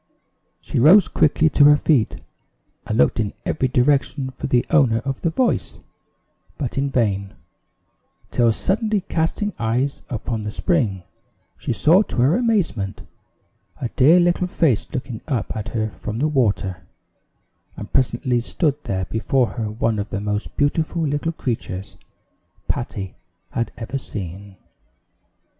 She rose quickly to her feet, and looked in every direction for the owner of the voice, but in vain; till suddenly casting eyes upon the spring, she saw, to her amazement, a dear little face looking up at her from the water; and presently there stood before her one of the most beautiful little creatures Patty had ever seen.